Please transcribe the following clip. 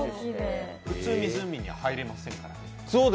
普通、湖に入れませんからね